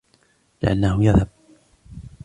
جعلناه يذهب.